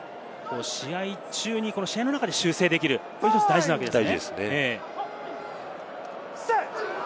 試合中に試合の中で修正できる技術が大切なんですね。